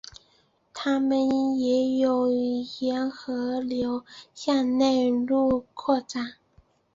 它们也有沿河流向内陆扩展。